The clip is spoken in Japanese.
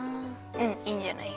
うんいいんじゃない？